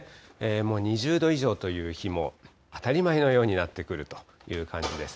もう２０度以上という日も当たり前のようになってくるという感じです。